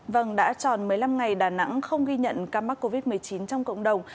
vâng đã tròn một mươi năm ngày đà nẵng không ghi nhận ca mắc covid một mươi chín trong cộng đồng